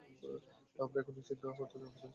আমরা এখনও নিশ্চিত না কতজন আহত হয়েছে।